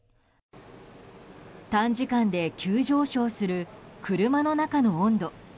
短時間で急上昇する車の中の温度。